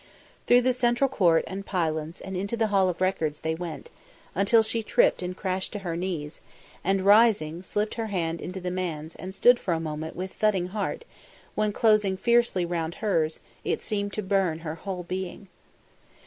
Through the Central Court and the Pylons and into the Hall of Records they went, until she tripped and crashed to her knees, and, rising, slipped her hand into the man's and stood for a moment with thudding heart when, closing fiercely round hers, it seemed to burn her whole being.